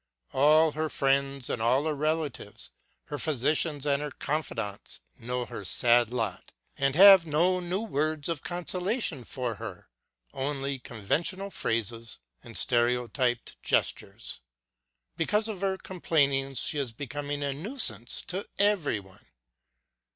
All her friends and all her relatives, her physicians and her confidants, know her sad lot and have no new words of consolation for her, only conventional phrases and stereotyped gestures. Because of her com plainings she is becoming a nuisance to every body.